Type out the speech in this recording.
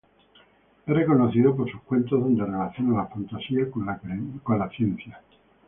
Es reconocido por sus cuentos donde relaciona la fantasía con la ciencia.